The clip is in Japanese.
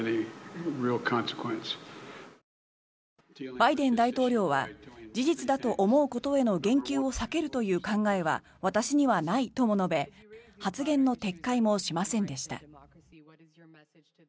バイデン大統領は事実だと思うことへの言及を避けるという考えは私にはないとも述べ発言の撤回もしませんでした。